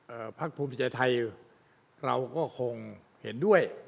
เอ่อภาคภูมิใจไทยเราก็คงเห็นด้วย